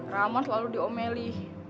rahman selalu diomeli